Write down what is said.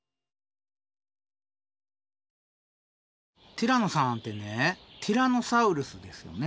ティラノさんってねティラノサウルスですよね。